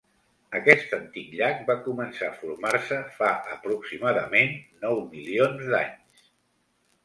Aquest antic llac va començar a formar-se fa aproximadament nou milions d'anys.